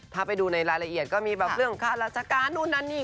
ถ้าไปดูในรายละเอียดก็มีแบบเรื่องค่าราชการนู่นนั่นนี่